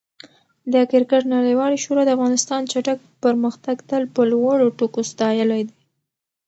د کرکټ نړیوالې شورا د افغانستان چټک پرمختګ تل په لوړو ټکو ستایلی دی.